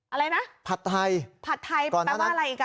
อะไรนะผัดไทยผัดไทยแปลว่าอะไรอีกอ่ะ